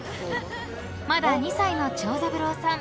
［まだ２歳の長三郎さん。